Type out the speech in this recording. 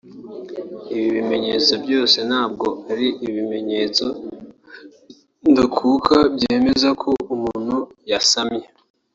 Ibi bimenyetso byose ntabwo ari ibimenyetso ndakuka byemeza ko umuntu yasamye